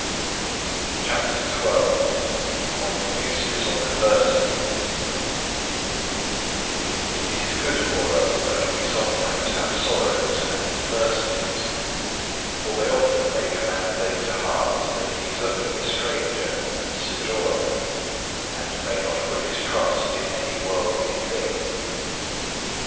CHAPTER XII Of the uses of adversity It is good for us that we sometimes have sorrows and adversities, for they often make a man lay to heart that he is only a stranger and sojourner, and may not put his trust in any worldly thing.